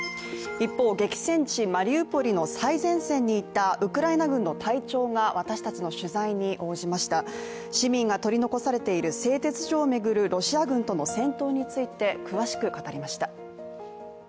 一方激戦地マリウポリの最前線にいたウクライナ軍の隊長が私達の取材に応じました市民が取り残されている製鉄所を巡るロシア軍との戦闘について詳しく語りました。